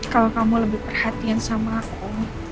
kalau kamu lebih perhatian sama aku